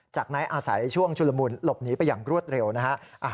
จากนั้นอาศัยช่วงชุลมุนหลบหนีไปอย่างรวดเร็วนะฮะ